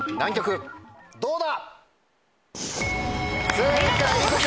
どうだ？